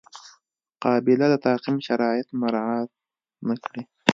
قابله د تعقیم شرایط مراعات نه کړي.